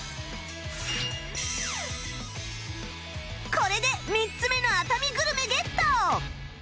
これで３つ目の熱海グルメゲット